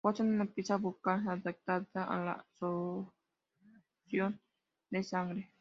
Poseen una pieza bucal adaptada a la succión de sangre.